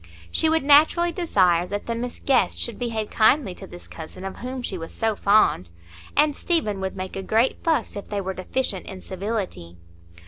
She would naturally desire that the Miss Guests should behave kindly to this cousin of whom she was so fond, and Stephen would make a great fuss if they were deficient in civility.